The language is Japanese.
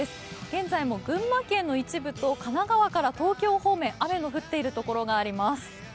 現在も群馬県の一部と神奈川から東京方面雨の降っている所があります。